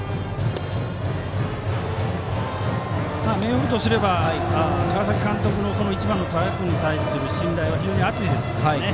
明豊とすれば川崎監督の１番の高木君に対する信頼は非常に厚いですから。